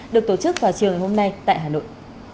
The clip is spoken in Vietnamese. được tổ chức vào trường hôm nay tại hà nội